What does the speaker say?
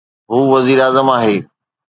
هو وزيراعظم آهي.